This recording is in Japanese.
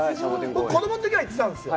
子供のときは行ってたんですよ。